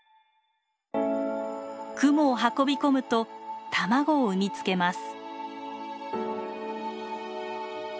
クモを運び込むと卵を産みつけます。